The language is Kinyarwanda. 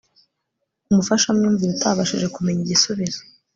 umufashamyumvire utabashije kumenya igisubizo